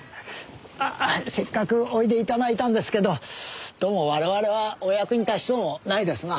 せっかくおいで頂いたんですけどどうも我々はお役に立ちそうもないですな。